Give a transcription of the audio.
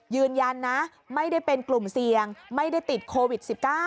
ยืนยันนะไม่ได้เป็นกลุ่มเสี่ยงไม่ได้ติดโควิด๑๙